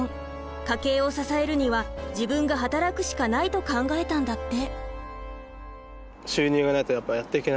家計を支えるには自分が働くしかないと考えたんだって。